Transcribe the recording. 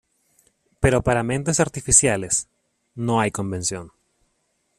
Pero para mentes artificiales, no hay convención".